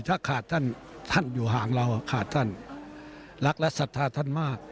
ถ้าขาดท่านท่านอยู่ห่างเราขาดท่านรักและศรัทธาท่านมาก